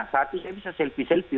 satu saya bisa selfie selfie